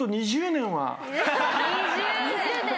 ２０年も。